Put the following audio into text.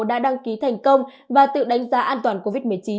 đã đăng ký thành công và tự đánh giá an toàn covid một mươi chín